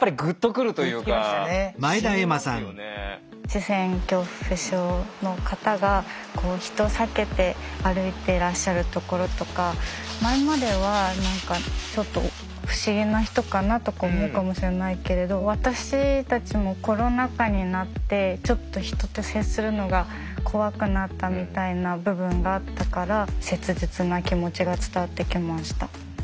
視線恐怖症の方が人を避けて歩いてらっしゃるところとか前まではちょっと不思議な人かなとか思うかもしれないけれど私たちもコロナ禍になってちょっと人と接するのが怖くなったみたいな部分があったから切実な気持ちが伝わってきました。